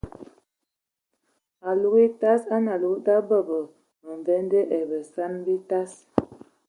Alug etas a nə alug ya la bəbə məmvende ai nsanəŋa atas.